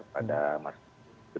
pada mas budi